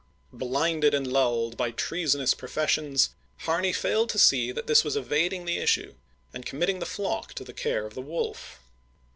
Blinded and lulled by treacherous professions, Harney failed to see that this was evading the issue and committing the flock to the care of the wolf.